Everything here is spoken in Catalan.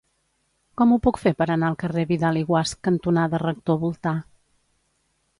Com ho puc fer per anar al carrer Vidal i Guasch cantonada Rector Voltà?